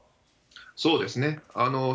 そうですね。